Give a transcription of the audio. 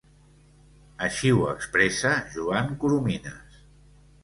Així ho expressa Joan Coromines.